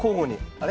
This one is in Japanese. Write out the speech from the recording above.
あれ？